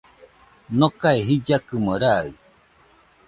Nokae jillakɨmo raɨ